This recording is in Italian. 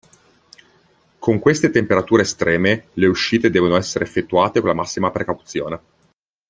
Con queste temperature estreme, le uscite devono essere effettuate con la massima precauzione.